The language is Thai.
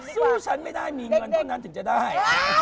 ฉันไม่ได้มีเงินเท่านั้นถึงจะได้